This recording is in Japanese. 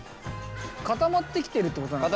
固まってきてるってことなのかな。